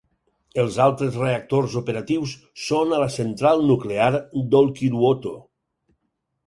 Els altres reactors operatius són a la central nuclear d'Olkiluoto.